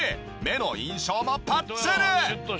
目の印象もパッチリ！